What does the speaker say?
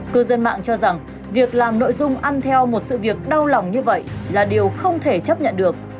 cư dân mạng cho rằng việc làm nội dung ăn theo một sự việc đau lòng như vậy là điều không thể chấp nhận được